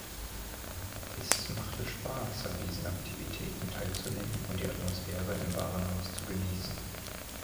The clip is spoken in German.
Es machte Spaß, an diesen Aktivitäten teilzunehmen und die Atmosphäre im Warenhaus zu genießen.